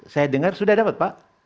saya dengar sudah dapat pak